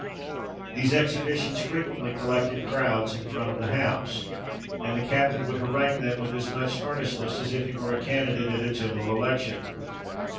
These exhibitions frequently collected crowds in front of the house; and the captain would harangue them with as much earnestness as if he were a candidate at a general election.